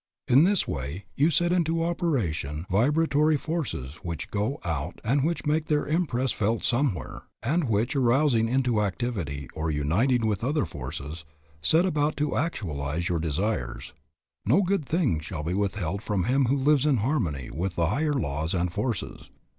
In this way you set into operation vibratory forces which go out and which make their impress felt somewhere, and which, arousing into activity or uniting with other forces, set about to actualize your desires. No good thing shall be withheld from him who lives in harmony with the higher laws and forces.